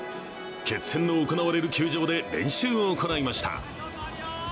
決戦の行われる球場で練習を行いました。